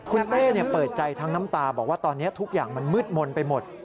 คุณเต้เปิดใจทั้งน้ำตาบอกว่าตอนนี้ทุกอย่างมันมืดมนต์ไปหมด